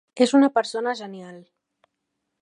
És una persona genial.